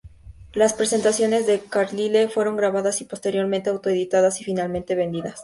Las presentaciones de Carlile fueron grabadas y posteriormente auto-editadas y finalmente vendidas.